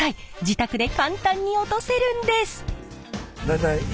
自宅で簡単に落とせるんです。